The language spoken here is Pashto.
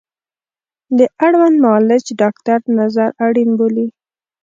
د اړوند معالج ډاکتر نظر اړین بولي